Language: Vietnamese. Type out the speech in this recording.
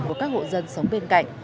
của các hộ dân sống bên cạnh